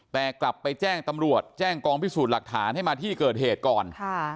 แต่กลับไปแจ้งตำรวจแจ้งกองพิสูจน์หลักฐานให้มาที่เกิดเหตุก่อน